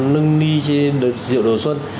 nâng đi trên rượu đồ xuân